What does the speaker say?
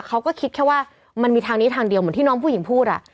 เขาก็คิดแค่ว่ามันมีทางนี้ทางเดียวเหมือนที่น้องผู้หญิงพูด